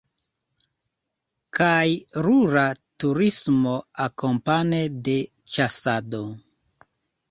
Kaj rura turismo akompane de ĉasado.